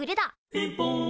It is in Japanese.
「ピンポン」